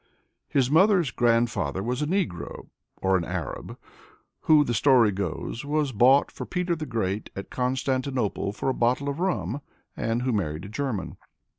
^"* His mother's grandfather was a Negro (or an J^j^) who, the story goes, was bought for Peter the Great at Constantinople for a bottle of rum, and who married a German.